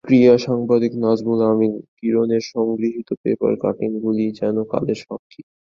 ক্রীড়া সাংবাদিক নাজমুল আমিন কিরণের সংগৃহীত পেপার কাটিংগুলো যেন কালের সাক্ষী।